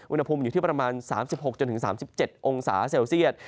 อุณหภูมิอยู่ที่ประมาณ๓๖๓๗องศาเซลเซียต